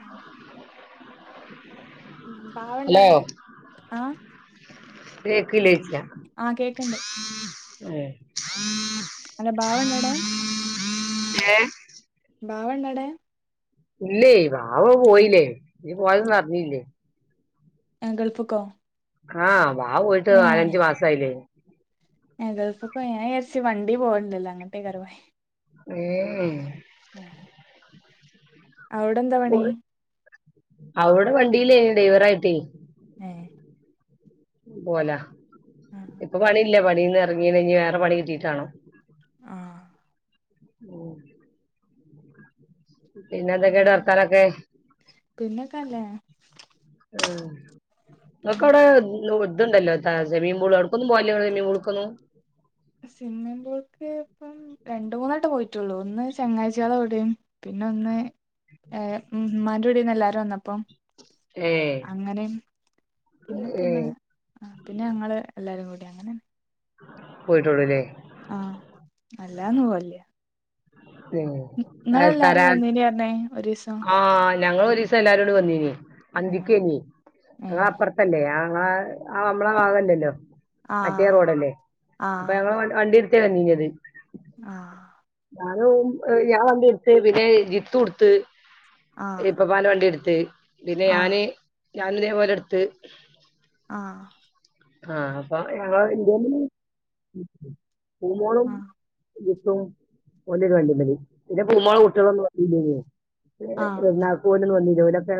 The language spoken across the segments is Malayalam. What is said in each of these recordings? ആ ഹലോ പാവണ്ടവ്ടെ ആ കേക്ക്ണ്ട് [unintelligible] ഏ അല്ല ബാവണ്ടവടെ ഏഹ് ബാവണ്ടവിടെ. ഇല്ലേ വാവ പോയില്ലേ നീപോയതൊന്നും അറിഞ്ഞില്ലേ? ഗൾഫുക്കോ? ആ ബാവ പോയിട്ട് നാലഞ്ചു മാസായില്ലേ. ഗൾഫ്ക്ക് പോയാ ഞാൻ വിചാരിച്ചു വണ്ടി പോവണ്ടല്ലോ അങ്ങട്ടാ കേറി പോ ഏഹ് ഉം അവിടെ എന്താ പണി അവിടെ വണ്ടിയിലേ ഡൈവറായിട്ടേ ഏഹ് പോല ആഹ് ഇപ്പൊ പണി ഇല്ല പണിന്ന് ഇറങ്ങീഞ്ഞ് വേറെ പണി കിട്ടീട്ടാണോ ആഹ് ഉം പിന്നെ എന്തൊക്കെണ്ട് വർത്താനൊക്കെ. പിന്നൊക്കെ അല്ലേ? ആഹ് നിങ്ങക്കാടെ ലോ ഇതുണ്ടല്ലോ താ സെമീൻ പൂൾ അവടക്കൊന്നും പോവാനില്ല സെമീൻ പൂൾക്ക് ഒന്നും. സ്വിമ്മിംഗ് പൂൾക്ക് ഇപ്പം രണ്ട് മൂന്നൂട്ടം പോയിട്ടുള്ളൂ ഒന്ന് ചങ്ങാഴ്ചാളെ കൂടെയും പിന്നെ ഒന്ന് ഏർ ഉമ്മാന്റെ കുടിന്ന് എല്ലാരും വന്നപ്പൊ ഏഹ് അങ്ങനെ പിന്നെ പൊന്ന് ഏഹ് പിന്നെ ഞങ്ങള് എല്ലാരും കൂടി അങ്ങനെ പോയിട്ടുടൂല്ലേ. ആഹ് അല്ലാന്ന് പോല്ല്യ. ഉം നിങ്ങളെല്ലാരും തര വന്നേന് പറഞ്ഞേ. ഒരീസം ആഹ് ഞങ്ങള് ഒരീസം എല്ലാരൂടി വന്നീനി ഉം അന്തിക്കേനി അ ഉം അപ്പുറത്തല്ലേ ആ നമ്മളെ ഭാഗല്ലല്ലോ മറ്റേ ആഹ് റോഡല്ലേ അപ്പൊ ഞങ്ങള് വണ്ടി തനിഞ്ഞത്. ആഹ ഞാനും ഞാൻ വണ്ടിയ എടുത്ത് പിന്നെ ജിത്ത് എടുത്ത് ആഹ് പിന്നെ പ്പപ്പാന്റെ വണ്ടി എടുത്ത് പിന്നെ ആഹ് ഞാന് ഞൻ ഇതേപോലെ എടുത്ത് ആഹ ആഹ അ ഞങ്ങള് ഇന്ത്യോളും ആഹ് ജിത്തും ഓൻ്റെ വണ്ടിമല് ഇൻ്റെ പൂമോളേ കുട്ടികളൊന്നും ആഹ് വന്നിലേന്നു നാ പോ വ ജോലൊക്കെ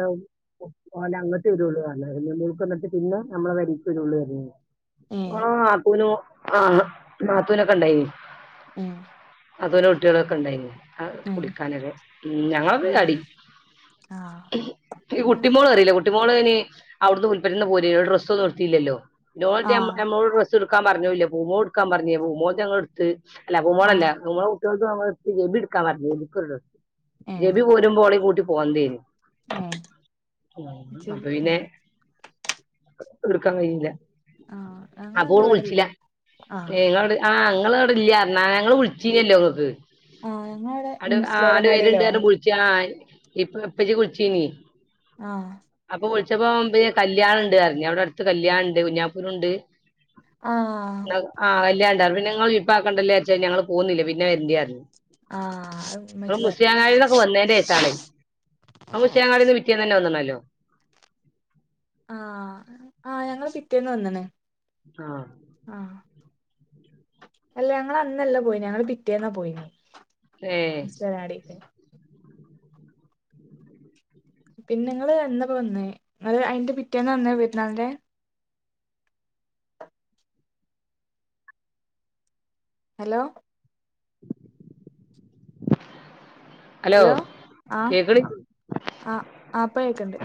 പോലെ അങ്ങനത്തെ ഒരു ഉള്ള പറഞ്ഞ മൾക്ക്ന്നിട്ട് പിന്നെ നമ്മള വരിക്കും ഉള്ള ഏഹ് ആ നാത്തൂനു ആ നാത്തൂനൊക്കെ ഇ ണ്ടായിന്ന് ഉ അതുപോലെ കുട്ടികളൊക്കെ ഉണ്ടായിരുന്നു കുടിക്കാനൊക്ക ഞങ്ങ ആഹ് ടി ആഹ് കുട്ടിോള അറില്ല കുട്ടിോളന് അവിടുന്ന് ഉൽപ്പെറ്റുന്ന പോല ഡ്രസ്ന്നും നിർത്തില്ലോ ആഹ് ഇോമ്മോട് ഡ്രസ് എടുക്കാ പറഞ്ഞൂല്ല പൂമോ എടുക്കാൻ പറഞ്ഞേ പൂമോ ഞങ്ങ എടുത്ത് അല്ല ആഹ് പൂമോണല്ലൂ വത്തി ബട്ക്ക വർ ഇിക്കറ ഏഹ് ജബി പോരുമ്പോളേ കൂട്ടി പോവതേന് ഏഹ് ശരി അപ്പൊ പിന്നെ ആഹ് എർക്കാൻ കഴിില്ല ആഹ് ഞങ്ങളന്ന് അപ്പോട് വിളിച്ചില്ല ഇവിടില്ലേ ആഹ് നിങ്ങളട് ആ ഞങ്ങളവിടെ ഇല്ലാന്നറിഞ്ഞ് ഞങ്ങള് വിളിച്ചില്ലോക്ക് ആക്ക് ആഹ് ഞങ്ങളവിടെ മുസ്ലിരങ്ങാടില് എ കുളിച്ചാ ഇപ്പൊ എപ്പി കുളിച്ചീനി ആഹ പച്ചപ്പോ പിന്നെ കല്യാണ ഉണ്ട് പറഞ്ഞ അവിടെ അടുത്ത് കല്യാണ ഉണ്ട് കുഞ്ഞാപ്പൂരുണ്ട് ആഹ് ആഹ വല്ാണ്ട പിന്നെഞങ്ങൾ വിപ്പക്കണ്ടല്ലേച്ചാ ഞങ്ങള്ൾ പോകുന്നില്ല പിന്നെ എന്ായിരുന്നു ആഹ അത് മച്ച പറ മുഷ്യാങ്ങാടി നിന്നൊക്കെ വന്നതിന്റെ വേഷാണ് നമ്മ ഉഷ്യാങ്ങാടി നിന്ന് പിറ്റിയന്ന് തന്നെ വന്നണല്ലോ ആഹ ആഹ ഞങ്ങള് പിറ്റേന്ന് വന്ന ക്ണ് ആഹ അല്ല ഞങ്ങ അന്നല്ല പോയി ഞങ്ങള് പിറ്റേന്നാ പോയിന് ഏ [unintelligible] പിന്നെ നിങ്ങള് എന്നപ്പോ വന്നേ നിങ്ങള് അയിന്റെ പിറ്റേന്നാ വന്നേ പെരുന്നാളിൻ്റെ ഹലോ? ഹലോ ആ കേക്കണി ആ ആ ഇപ്പൊ കേക്കണ്ട്.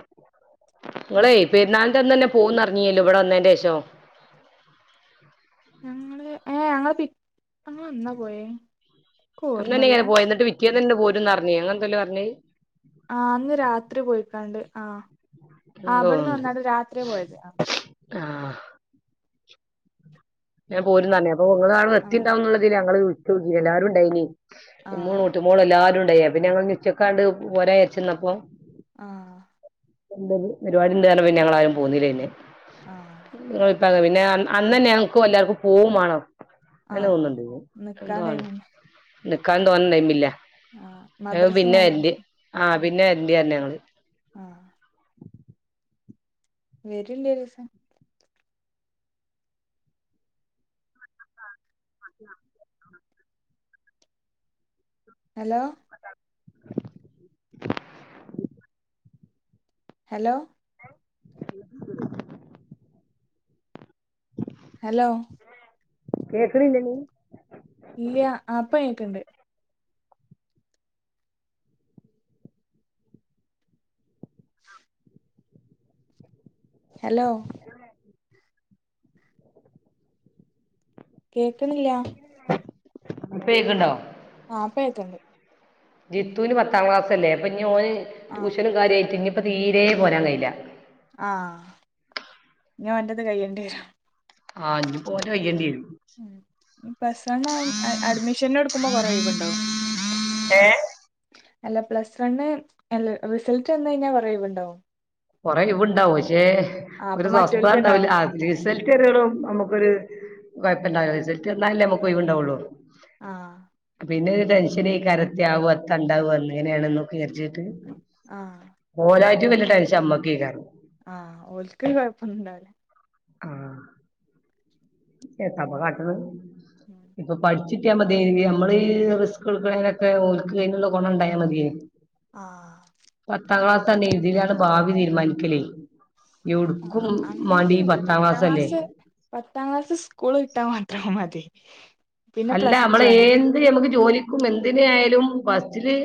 നിങ്ങളേ പെരുന്നാളിൻ്റെ അന്ന് തന്നെ പോവുന്നറിങ്ങിയല്ലോ ഇവിടെ വന്നതിന്റെ ശേഷം ഞങ്ങള് ഏ ഞങ്ങള് പി ഞങ്ങള് എന്ന പോയേ? എനിക്ക് അന്ന് തന്നെ ഓർമ്മല്ല ഇങ്ങനെ പോയ എന്നിട്ട് പിറ്റേന്നനെ പോരുന്ന് പറഞ്ഞേ അങ്ങനെന്തല്ലോ പറഞ്ഞത്. ആ അന്ന് രാത്രി പോയിക്കാണ്ട് ആ. ആ അവിടുന്ന് തോന്നുണ്ട് വന്നട്ട രാത്രി പോയത് ആ. ആഹ് ഞാൻ പോരുന്നു പറഞ്ഞു അപ്പൊ നിങ്ങള് ആഹ് എത്തിയണ്ടാവന്നുള്ളതില് ഞങ്ങള് വിളിച്ച് ലഎല്ലാരും ഉണ്ടായിനി. ഉമ്മും ആഹ് മുമ്പി മോളല്ലാവരും ഉണ്ടായിപ്പന്ന ഞങ്ങൾ ഉച്ചക്കാണ്ട് പോരച്ചെന്നപ്പോ ആ. എന്ത പരിപാടി ണ്ട് ന്നറിഞ്ഞപ്പോൾ ഞങ്ങൾ ആരും പോന്നുന്നില്ലേന്നെ. ആ. പിന്നെ അന്ന് തന്നെ ഞങ്ങൾക്കും എല്ലാവർക്കും പോവും വേണം. അങ്ങനെ ആഹ് തോന്നുന്നുണ്ട് നിക്കാൻ എന്താണ് ടൈമുണ്ട് നിക്കാ തോന്നൻ ടൈമില്ല. ആഹ് മദ്രസ പിന്നെ വരണ്ട് ആ ആഹ് പിന്നെ വരണ്ട്ന്ന് പറഞ്ഞിന്നു ആഹ് വരില്ലേ ഒരുസം? ഹലോ? ഹലോ? ഹലോ? കേക്കണില്ലേ നീ? ഇല്ല. ഇപ്പ കേക്കണ്ട്. ഹലോ? കേൾക്കണില്ല. ഇപ്പകേക്കണ്ണ്ടോ? ആ ഇപ്പാ കേക്കണ്ണ്ട്. ജിത്തുന് പത്താം ക്ലാസ് അല്ലേ അപ്പൊ ഓന് ആഹ് ട്യൂഷനും കാര്യമായിട്ട് ഇ ഇപ്പൊ തീരെ പോരാൻ കഴിയില്ല. ആ ഇനി ഓൻ്റേത് കയ്യേണ്ടി വരും. ആ ഇനി ഓന്റെ കൈയേണ്ടി വരും. ഉം ഇനി പ്ലസ് വൺ അഡ്മിഷൻ എടുക്കുമ്പോ കൊറെ ഒഴിവുണ്ടാകും. ഏ? അല്ല പ്ലസ് വണ് അല്ല റിസൾട്ട് വന്നു കഴിഞ്ഞാൽ കൊറേ ഒയിവുണ്ടാകും. കൊറേ ഒഴിവ് ഇണ്ടാവും പക്ഷെ ഒരു അപ്പൊ സ്വസ്ഥ മറ്റോൽക്ക് ഉണ്ടാവും ഉണ്ടാവൂല്ല റിസൽറ്റ് [unintelligible] നമുക്കൊരു കൊഴപ്പുണ്ടാവില്ല റിസൾട്ട് വന്നാലല്ലേ നമ്മുക്ക് ആ ഒഴിവുണ്ടാവുള്ളു. ആ പിന്നെ [unintelligible] എങ്ങനെയാണെന്നൊക്കെ വിചാരിച്ചിട്ട് ആ ഇതിലും വല്യ ടെൻഷൻ നമ്മക്ക് [unintelligible] ആ ഓർക്കോരു കൊഴപ്പ ഉണ്ടാവു ആ. എന്താപ്പ കാട്ടന്ന്. ഇപ്പൊ പഠിച്ചി കിട്ടിയ മതി നമ്മള് ഈ റിസ്ക് എടുക്കണൊനെക്കെ ഓൽക്ക്‌ അതിനുള്ള ഗുണം ഉണ്ടായാ മതിയായിന്ന്. ആ പത്താം ക്ലാസ് തന്ന എഴുതിലാണ് ഭാവി തീരുമാനിക്കലേ. എവ്ട്ക്കും അങ്ങനെ മാണ്ടി ഈ വരില്ല. പത്താം ക്ലാസ്സല്ലേ ക്ലാസ് പത്താം ക്ലാസ് സ്കൂളിൽ വിട്ട മാത്രം മതി. പിന്നെ അല്ല പ്ലസ് ടു നമ്മള് ആണ് എന്ത് നമക്ക് ജോലിക്കും എന്തിന ആയാലും ഫസ്റ്റില്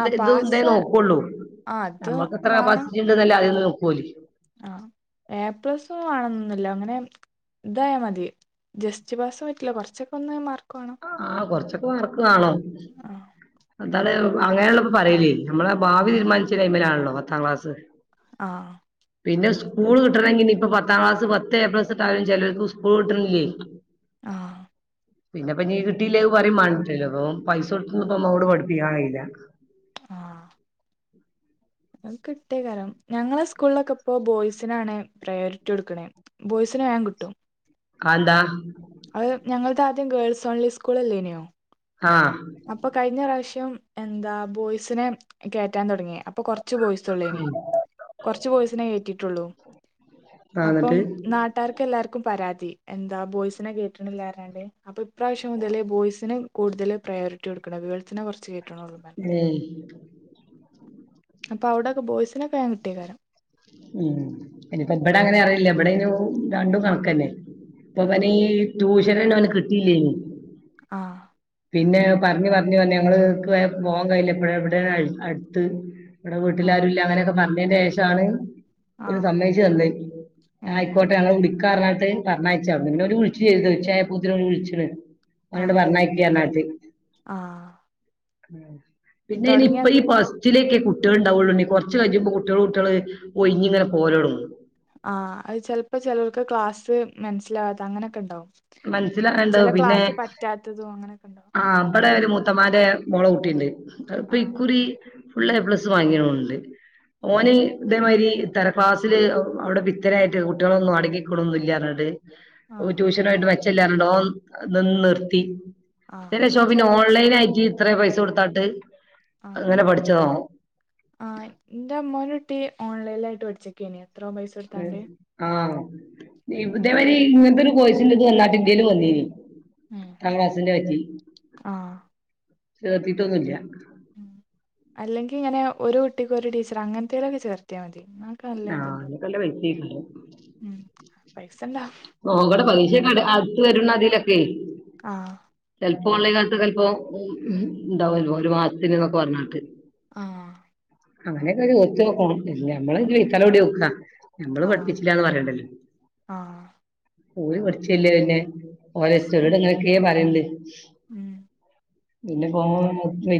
ആ എന്താ പാസ് നോക്കുള്ളൂ ആ അത് നമ്മൾക്ക് എത്ര കപ്പാസിറ്റി ഉണ്ട്ന്നല്ലേ ആദ്യൊന്ന് നോക്കലേ ആ എ പ്ലസ് വേണനൊന്നുന്നില്ല അങ്ങനെ ഇതായാ മതി ജസ്റ്റ് പാസ് പറ്റില്ല. കുറച്ചൊക്കെ ഒന്ന് വേണം ആഹ് കൊറച്ചൊക്കെ വർക്ക് കാണും. ആഹ് അതാ അങ്ങനെ ഒള്ളള്ളപ്പോ പറയല് നമ്മളെ ഭാവി തീരുമാനിച്ച ടൈമിലാണല്ലോ പത്താം ക്ലാസ് ങാ പിന്നെ സ്കൂൾ കിട്ടണെങ്കി ഇനി ഇപ്പൊ പത്താം ക്ലാസ് പത്ത് എ പ്ലസ് കിട്ടിയാലും ചിലർക്ക് സ്കൂൾ കിട്ടണങ്കി ആഹ പിന്നെപ്പ നീ കിട്ടീലേക്ക് പറയും [unintelligible] അപ്പൊ പൈസ കൊടുത്ത്ന്ന് ഇപ്പ മോട് പഠിപ്പിക്കാകയില്ല ആഹ അത് കിട്ടിയകാരം. ഞങ്ങളെ സ്കൂളിലൊക്കെ ഇപ്പോ ബോയ്സിനാണ് പ്രയോറിറ്റി കൊടുക്കണേ. ബോയ്സ് വേഗം കിട്ടും. [unintelligible] അത് ഞങ്ങളുടെ ആദ്യം ഗേൾസ് ഓൺലി സ്കൂൾ അല്ലേനെയോ ആഹ് അപ്പൊ കഴിഞ്ഞ പ്രാവശ്യം എന്താ ബോയ്സിനെ കേറ്റാൻ തുടങ്ങിയെ. അപ്പൊ കൊറ കുറച്ചു ബോയ്സൊള്ളേനി. കുറച്ചു ബോയ്സിനേ കേറ്റിയിട്ടുള്ളൂ. ആഹ് അപ്പം എന്നിട്ട് നാട്ടാർക്ക് എല്ലാർക്കും പരാതി എന്താ ബോയ്സിനെ കേറ്റണില്ലരാണ്ട്. അപ്പൊ ഇപ്രാവശ്യം മുതല് ബോയ്സന് കൂടുതൽ പ്രയോറിറ്റി കൊടുക്കണം. ഗേൾസിനെ കൊറച്ച് ഏയ് അപ്പൊ അവിടൊക്കെ ബോയ്സിനെ [unintelligible] കിട്ടിയ കാരം ഉം ഇനിപ്പോ ഇവിടെ അങ്ങനെ അറിയില്ല. എവിടെ ഇനും രണ്ടും കണക്കന്നെ ഇപ്പൊ ആ അവന് ഈ ട്യൂഷൻണ് അവന് കിട്ടിയില്ലേനു ആഹ പിന്നെ പറഞ്ഞഞ് പറഞ്ഞഞ് പറഞ്ഞു ഞങ്ങള് പോകാൻ കഴിയില്ല എപ്പഴ എവിടെ അടുത്ത് ഇവിടെ ആ വീട്ടിലാരും ഇല്ല അങ്ങനെയൊക്കെ പറഞ്ഞതിന്റെ ശേഷമാണ് ആ ഒരു സമ്മിച്ചു തല്ലേ ഏ ആയിക്കോട്ടെ ഞങ്ങള്െ വിടിക്ക കണട്ട കണാഴ്െ ഒരു ഒഴിച്ചു ചെയ്രുത് ചായയൂത്തിന് വിഴിച്ചിണ് ആ അവോട് പറണക്കാനാട്ട ആ പിന്നെ ഇനി തുടങ്ങിയ ഇപ്പ ഈ ഫസ്റ്റിലേക്കെ കുട്ടികൾണ്ടാവുള്ളു കുറച്ചു കഴിയുമ്പോ കുട്ടികള് കുട്ടികള് ഓയിഞ് ങ്ങനെ പോരോടുന്നു ആഹ അത് ചെിലപ്പോ ചിലർക്ക് ക്ലാസ്സ് മനസ്സിലാവാത്ത അങ്ങനെയൊക്കെ ഉണ്ടാവും മനസ്സിലണ്ടാവ ചില പിന്നെ ക്ലാസ് പറ്റാത്തതും അങ്ങനൊക്കെ ഉണ്ടാവും ആ അവിടെ ഒരു മു ത്തമാരെ മുോള കൂട്ടിണ്ട് ഇപ്പൊ ആ ഇക്കുറി ഫുള് എ പ്ലസ് വാങ്ങിയണണ്ട് ആ ഓന ഇതേമാരി ഇത്ത ക്ലാസ്സിില് അവിടെ പിത്തരായിട്ട് കുട്ടികളൊന്നും അടങ്ങിക്കൊണൊന്നും ഇല്ലണ്ട് ആ വെച്ചല്ലണ്ടോ നിന്ന ആ നിർത്തിന്നെ ഷോപ്പി ചെ ഓൺലൈൻ ആയിി എത്ര പൈസ കൊടുത്താട്ട് ആ അങ്ങനെ പഠിച്ചതാവും ആ എന്റെ അമ്മോനൊട്ടി ഓൺലൈനിലായിട്ട് പഠിച്ചക്കണിയ എത്രോ പൈസടുതണ്ട് ഇ ഇതേവരി ഇങ്ങനത്തെൊരു കോയിിച്ചണ്ട് ഇത് വന്നട്ട ഇന്ത്യൽ വന്നീന് ഉം തക്ലാസിന്റെ പറ്റി ചേർത്തിട്ടൊന്നുമില്ല ഉ അല്ലെങ്കിൽ ഇങ്ങനെ ഒരു കുട്ടിക്ക് ഒരു ടീച്ചർ അങ്ങനത്തലൊക്കെ ചേർത്തയാൽ മതി എന്നക്കെ നല്ല ആഹ് ഇതുണ്ടോ അയിനൊക്കെ നല്ല പൈസേക്കാരം ഉ പൈസ ഇണ്ടോ ഓ അൂടെ പലീക്ഷക്ക അടുത്ത വരുന്ന അതിലൊക്കെ ആഹ ള്ള കാലത്ത് ചെപ്പോ ഉണ്ടാവല്ലോ ഒരു മാസത്തിന്ന്നൊക്കെ പറഞ്ഞട്ട് ആഹ അങ്ങനെക്കെ ഒത്തു നോക്കണം ഞമ്മള് വി തല ഓടി നോക്കാ നഞമ്മള് ആഹ് പഠിപ്പിച്ചില്ലന്ന് പറയണ്ടല്ലോ ആഹ് പറിച്ചല്ലേ പിന്നെ ഓല ചട് അങ്ങനൊക്കെയ പറയണ്ട് ഉം പിന്നെ പ [unintelligible]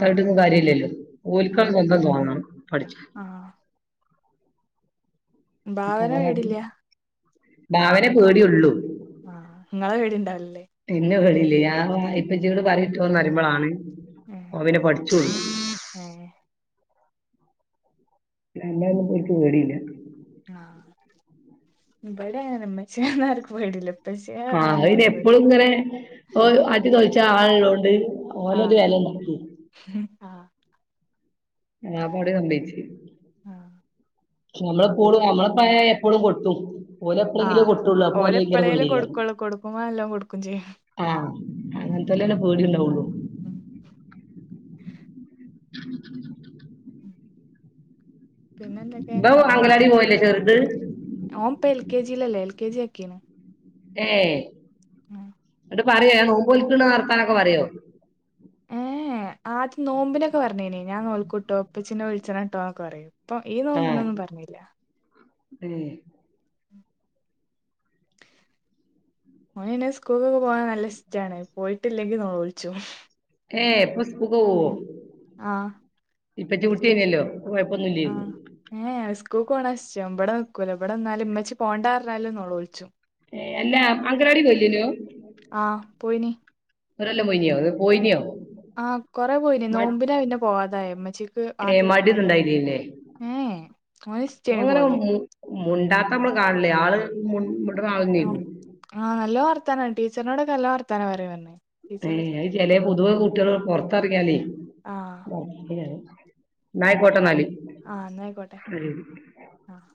ആഹ് കാര്യമില്ലല്ലോ ഓൽ ക്കാണ് ആഹ് സ്വന്തം തോന്നണം പഠിച്ചാൻ. [inaudible] ആഹ് ഇപ്പൊ ഭാവന വേറെ- വേടില്ല. ഭാവനെ പേടിയുള്ളൂ. ആഹ് ഇങ്ങളെ പേടിണ്ടാവില്ലല്ലേ പിന്നെ കളിയില്ലേ ഞാൻ ആഹ് ഇപ്പച്ചിയോട് പറയിട്ടോന്ന് പറുമ്പോളാണ് ഉം ഓന്‍ പിന്നെ പഠിച്ചോളും. ഏഹ് അല്ല ഒന്നും പോൽക്ക് പേടിയില്ല. ആഹ് ഇവിടെ അങ്ങന്നെ ഉമ്മച്ചി ഒന്നും ആർക്കും പേടിയില്ല. ആഹ് ഇനി എപ്പോളും ഇങ്ങനെ ആറ്റി പേടിയാ തൊളിച്ച ആളി ഇള്ളോണ്ട് ഒരു ആഹ് വെലയിലാക്കി. ആഹ് ഞാപ്പവടെ കൊണ്ടേയ്ച്ചേ ആഹ് നമ്മളെ പോളും നമ്മളെ പ്പായ എപ്പോളും കൊട്ടും ഓലെ പ്പളെങ്കിലും ആഹ് കൊട്ടൊള്ളു അപ്പോലെ ഓല് ഭയങ്കര എപ്പളേലും പേട്യേക്കാരം. കൊടുക്കുള്ളൂ കൊടുക്കുമ്പോ നല്ലോം കൊടുക്കും ചെയ്യും ആഹ് ഉം അങ്ങൻത്തൊലെന്നെ പേടിണ്ടാവൊള്ളൂ. ഉം പിന്നെ ഇബം അങ്കണവാടി പോവേല്ലേ ചെർത്. ഓന്‍ പ്പ എൽ കെ ജി ല്ലല്ലേ എൽ കെ ജി ആക്കീണ്. ഏഹ് ഉം ങ്ങട്ട് പറ്യോ ഞാ നോമ്പോല്ക്ക്ണ വർത്താനൊക്കെ പറ്യോ. ഏഹ് ആദ്യ നോമ്പ്നൊക്കെ പർഞ്ഞിനി ഞാൻ നോൽക്കുട്ടോ ഇപ്പച്ചിന്നെ വിൾച്ചെണെട്ടോ ന്നൊക്കെ പറിയും. ഇപ്പൊ ഈ നോമ്പ്ന്നൊന്നും പർഞ്ഞില്ല. ഉം ഓന് പിന്നെ സ്കൂൾക്കൊക്കെ പോവാൻ നല്ലഷ്ടാണ് പോയിട്ടില്ലെങ്കി നോലോൾച്ചും. ഏഹ് പ്പസ് ഉം ആഹ് ഇപ്പച്ചി എല്‍ കെ ജി കുട്ടിയനല്ലോ കുഴപ്പമൊന്നുമില്ലായിരുന്നു ആഹ് ഏഹ് സ്ക്കൂക്കോണെഷ് ച്ചം ഇബടെ നിക്കൂല ബടെന്നാല് ഇമ്മച്ചി പോണ്ടാർഞ്ഞാലും നോലോൾച്ചും. ഏഹ് അല്ലാ അംങ്കലവാടി പോയില്യേനോ ഓൻ ആ പോയിനി ഒരെല്ലം പോയീന്യോ അതോ പോയിന്യോ? ആഹ് കൊറെ പോയിനി നോമ്പിനാ പിന്നെ പോവാതായെ ഇമ്മച്ചി ക്ക് ഏ, ആക്ക്യൊട്ക്കാൻ മടി ഒന്നും കയ്യാ ഉണ്ടായില്ലേ ഏഹ് ഓനിഷ്ടേനി പോവല് ഏഹ് മുണ്ടാത്ത അമ്മള് കാണുലേ ആള് മുൺ മുൺ അം ആഹ് നല്ലോ വർത്താന ടീച്ചറിനോട്ക്ക നല്ലോ വർത്താനം പറിം പർഞ്ഞ്. ഏഹ് അഹ് ചെലേ പൊതുവെ കുട്ടിള് പൊർത്ത്‌ എർങ്ങിയാല് ആഹ് [unintelligible] ഇന്ന അയിക്കോട്ടെ ഇന്നാല് ആഹ് ഇന്ന അയിക്കോട്ടെ ആഹ്.